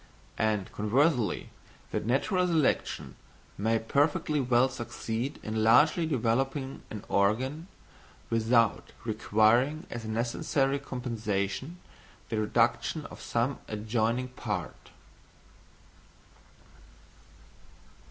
And conversely, that natural selection may perfectly well succeed in largely developing an organ without requiring as a necessary compensation the reduction of some adjoining part.